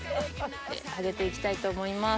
揚げていきたいと思います。